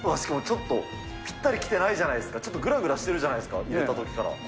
でもちょっと、ぴったりきてないじゃないですか、ちょっとぐらぐらしてるじゃないですか、入れたときから。